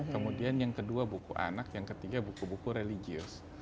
kemudian yang kedua buku anak yang ketiga buku buku religius